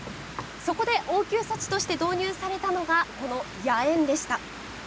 そこで応急措置として導入されたのが、この野猿でした。